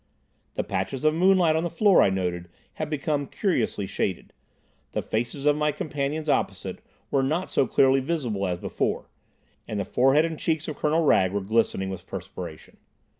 The patches of moonlight on the floor, I noted, had become curiously shaded; the faces of my companions opposite were not so clearly visible as before; and the forehead and cheeks of Colonel Wragge were glistening with perspiration.